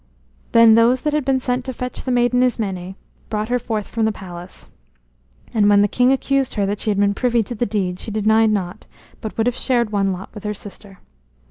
Then those that had been sent to fetch the maiden Ismené brought her forth from the palace. And when the king accused her that she had been privy to the deed she denied not, but would have shared one lot with her sister.